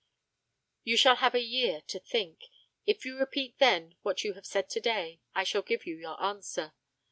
You shall have a year to think. If you repeat then what you have said today, I shall give you your answer.